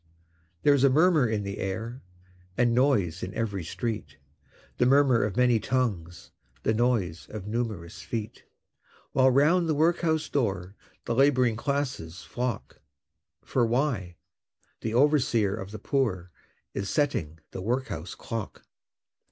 There's a murmur in the air, And noise in every street The murmur of many tongues, The noise of numerous feet While round the Workhouse door The Laboring Classes flock, For why? the Overseer of the Poor Is setting the Workhouse Clock.